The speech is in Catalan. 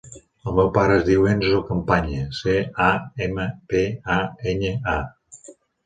El meu pare es diu Enzo Campaña: ce, a, ema, pe, a, enya, a.